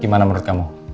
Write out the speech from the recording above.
gimana menurut kamu